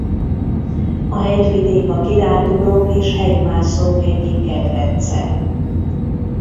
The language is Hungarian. A hegyvidék a kirándulók és hegymászók egyik kedvence.